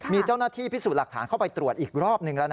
มีเจ้าหน้าที่พิสูจน์หลักฐานเข้าไปตรวจอีกรอบหนึ่งแล้วนะ